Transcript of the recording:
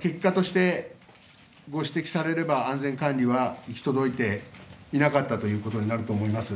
結果としてご指摘されれば安全管理は行き届いていなかったということになると思います。